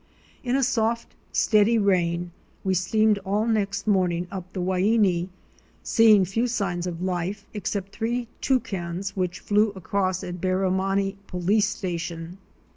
In a soft steady rain we steamed all next morning up the Waini, seeing few signs of life, except three Toucans which flew across at Barrimani Police Station.